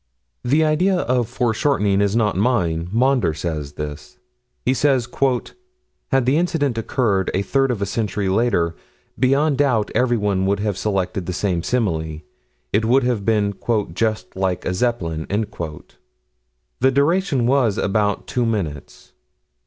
The idea of foreshortening is not mine: Maunder says this. He says: "Had the incident occurred a third of a century later, beyond doubt everyone would have selected the same simile it would have been 'just like a Zeppelin.'" The duration was about two minutes.